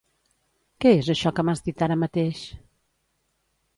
Què és això que m'has dit ara mateix?